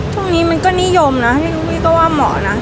ตรงนี้มันก็นิยมนะที่วิทย์ว่าเหมาะนะ